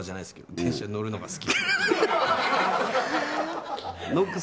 電車に乗るのが好き。